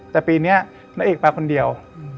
แต่ปีนี้น้าเอกไปคนเดียว